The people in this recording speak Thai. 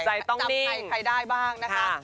ใจต้องนิ่งจับใครใครได้บ้างนะคะ